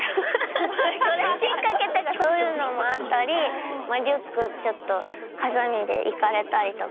それきっかけというかそういうのもあったりリュックちょっとハサミでいかれたりとか。